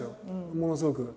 ものすごく。